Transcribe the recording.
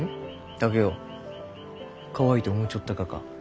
竹雄かわいいと思うちょったがか？